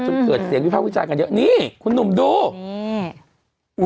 จนเกิดเสียงวิภาควิจารณ์กันเยอะนี่คุณหนุ่มดูอืม